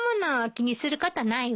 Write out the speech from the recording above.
気にすることないわ。